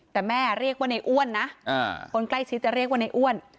แต่แม่เรียกว่าในอ้วนนะคนใกล้ชิดจะเรียกว่าในอ้วน